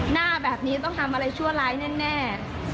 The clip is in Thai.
หน้าแบบนี้ต้องทำอะไรชั่วร้ายแน่